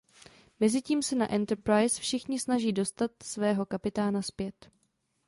Mezitím se na Enterprise všichni snaží dostat svého kapitána zpět.